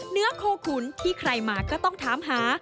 เนื้อโคขุนที่ใครมาก็ต้องถามหา